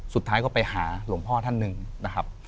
สุดท้ายก็ไปหาหลวงพ่อท่านหนึ่งนะครับ